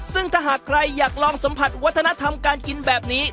ซึ่งถ้าหากใครอยากลองสัมผัสวัฒนธรรมการกินแบบนี้